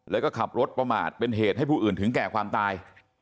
แล้วก็ขับรถประมาทเป็นเหตุให้ผู้อื่นถึงแก่ความตาย